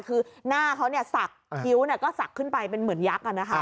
คือหน้าเขาสักคิ้วก็สักขึ้นไปเป็นเหมือนยักษ์